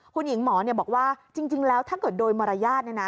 คุณหญิงหมอบอกว่าจริงแล้วถ้าเกิดโดยมารยาท